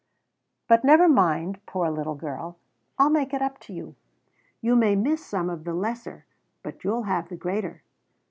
"But never mind, poor little girl I'll make it up to you. You may miss some of the lesser, but you'll have the greater.